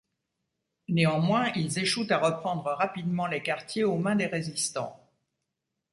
Néanmoins, ils échouent à reprendre rapidement les quartiers aux mains des résistants.